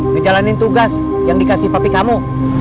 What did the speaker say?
ngejalanin tugas yang dikasih papi kamu